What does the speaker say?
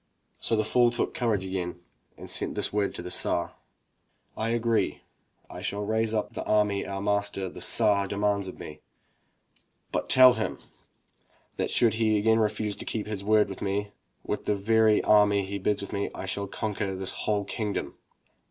So the fool took courage again and sent this word to the Tsar: "I agree; I shall raise up the army our master, the Tsar, 189 MY BOOK HOUSE demands of me. But tell him that should he again refuse to keep his word with me, with the very army he bids me raise, I shall conquer his whole kingdom."